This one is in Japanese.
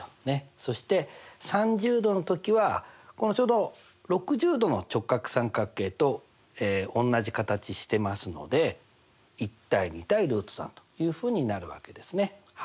そして３０°の時はちょうど６０°の直角三角形とおんなじ形してますので１：２：ルート３というふうになるわけですね。